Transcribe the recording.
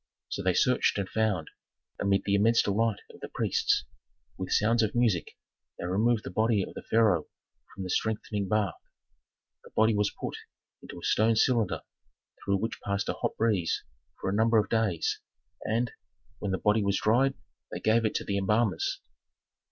So they searched and found; amid the immense delight of the priests, with sounds of music, they removed the body of the pharaoh from the strengthening bath. The body was put into a stone cylinder through which passed a hot breeze for a number of days, and, when the body was dried they gave it to the embalmers.